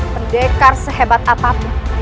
pendekar sehebat apapun